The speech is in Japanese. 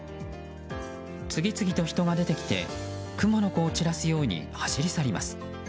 次々と人が出てきてクモの子を散らすように走り去ります。